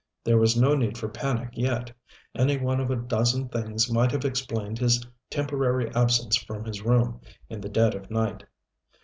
There was no need for panic yet. Any one of a dozen things might have explained his temporary absence from his room in the dead of night.